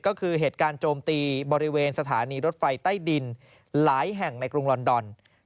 ก็คือเหตุการณ์โจมตีบริเวณสถานีรถไฟใต้ดินหลายแห่งในกรุงลอนดอน